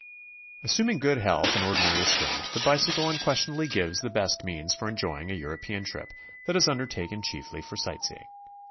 Assuming good health and ordinary strength, the bicycle unquestionably gives the best means for enjoying a European trip that is undertaken chiefly for sight seeing.